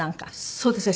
そうですね。